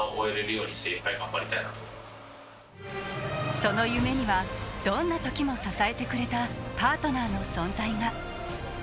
その夢には、どんな時も支えてくれたパートナーの存在が。